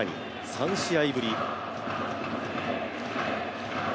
３試合ぶり。